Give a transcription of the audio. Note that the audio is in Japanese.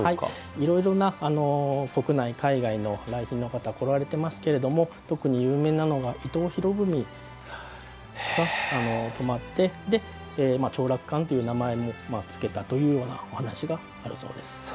いろいろな国内、海外の来賓の方いらっしゃいますが特に有名なのは伊藤博文が泊まって長楽館という名前をつけたというお話があるそうです。